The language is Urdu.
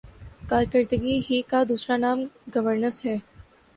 کارکردگی ہی کا دوسرا نام گورننس ہے۔